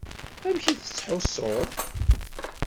Amek i tettḥussuḍ?